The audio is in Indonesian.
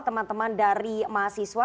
teman teman dari mahasiswa